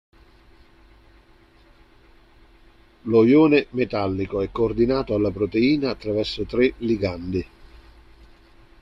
Lo ione metallico è coordinato alla proteina attraverso tre ligandi.